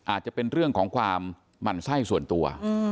อาจจะเป็นเรื่องของความหมั่นไส้ส่วนตัว